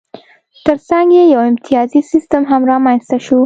ترڅنګ یې یو امتیازي سیستم هم رامنځته شو